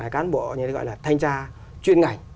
cán bộ như gọi là thanh tra chuyên ngành